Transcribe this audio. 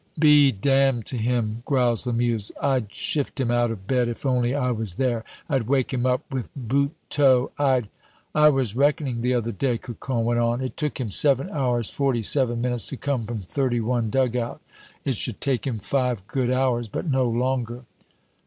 "Be damned to him," growls Lamuse. "I'd shift him out of bed if only I was there! I'd wake him up with boot toe, I'd " "I was reckoning, the other day," Cocon went on; "it took him seven hours forty seven minutes to come from thirty one dug out. It should take him five good hours, but no longer."